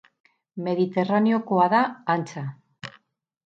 Mediterraneokoa da, antza.